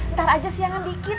ntar aja siangan dikit